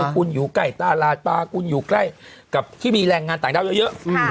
คุณอยู่ใกล้ตลาดปลาคุณอยู่ใกล้กับที่มีแรงงานต่างด้าวเยอะ